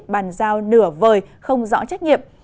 bàn giao nửa vời không rõ trách nhiệm